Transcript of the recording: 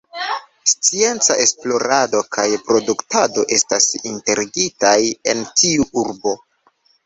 Scienca esplorado kaj produktado estas integritaj en tiu urbo.